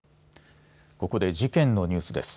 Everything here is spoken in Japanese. ここで事件のニュースです。